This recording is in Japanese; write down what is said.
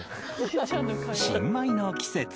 新米の季節。